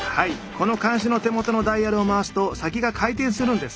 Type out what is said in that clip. この鉗子の手元のダイヤルを回すと先が回転するんです。